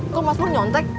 kok mas gur nyontek